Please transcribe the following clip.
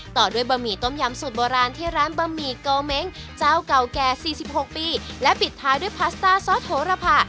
ต่อด้วยบะหมี่ต้มยำสูตรโบราณที่ร้านบะหมี่โกเม้งเจ้าเก่าแก่๔๖ปีและปิดท้ายด้วยพาสต้าซอสโหระพา